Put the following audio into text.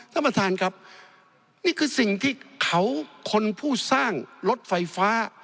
ท่านประธานครับนี่คือสิ่งที่เขาคนผู้สร้างรถไฟฟ้า